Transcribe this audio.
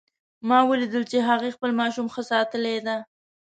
ما ولیدل چې هغې خپل ماشوم ښه ساتلی ده